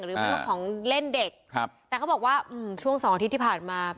หรือมันก็ของเล่นเด็กครับแต่เขาบอกว่าช่วงสองอาทิตย์ที่ผ่านมา